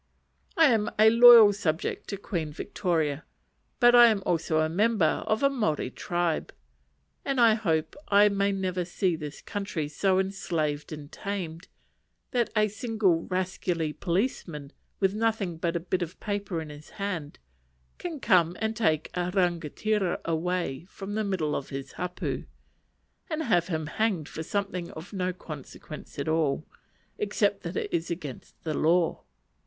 I am a loyal subject to Queen Victoria, but I am also a member of a Maori tribe; and I hope I may never see this country so enslaved and tamed that a single rascally policeman, with nothing but a bit of paper in his hand, can come and take a rangatira away from the middle of his hapu, and have him hanged for something of no consequence at all, except that it is against the law.